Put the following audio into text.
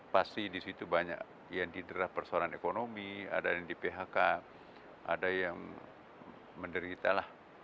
pasti di situ banyak yang diderah persoalan ekonomi ada yang di phk ada yang menderita lah